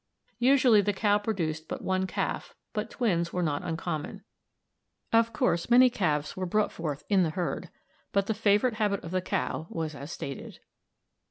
Usually the cow produced but one calf, but twins were not uncommon. Of course many calves were brought forth in the herd, but the favorite habit of the cow was as stated.